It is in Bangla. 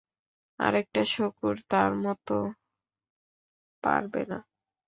আরেকটা শূকর তার মতো পারবে না।